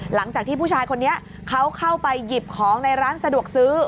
หลังจากที่ผู้ชายคนนี้เขาเข้าไปหยิบของในร้านสะดวกซื้อ